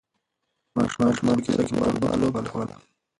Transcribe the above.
ماشومانو په کوڅه کې د فوټبال لوبه کوله.